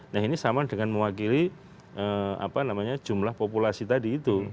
nah ini sama dengan mewakili jumlah populasi tadi itu